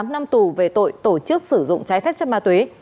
tám năm tù về tội tổ chức sử dụng trái phép chất ma túy